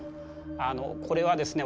あのこれはですね